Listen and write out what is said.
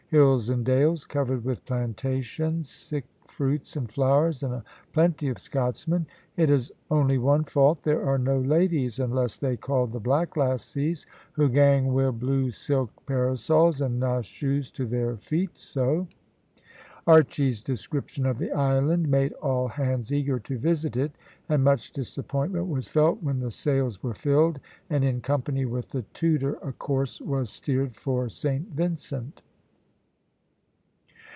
Hills and dales, covered with plantations, sic fruits and flowers, and a plenty of Scotsmen. It has only one fault; there are no ladies, unless they call the black lassies who gang wi' blue silk parasols and na shoes to their feet so." Archy's description of the island made all hands eager to visit it, and much disappointment was felt when the sails were filled, and, in company with the Tudor, a course was steered for Saint Vincent.